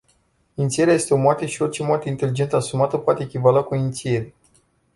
Inițierea este o moarte și orice moarte inteligent asumată poate echivala cu o inițiere.